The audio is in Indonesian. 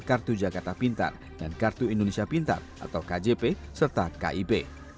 kartu jakarta pintar dan kartu indonesia pintar atau kjp serta kib